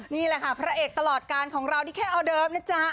นี่แหละค่ะพระเอกตลอดการของเรานี่แค่ออเดิฟนะจ๊ะ